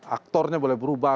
aktornya boleh berubah